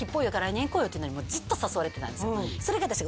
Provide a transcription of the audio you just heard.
「来年行こうよ」って言うのにずっと誘われてたんですよ